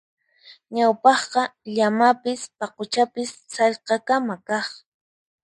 Ñawpaqqa llamapis paquchapis sallqakama kaq.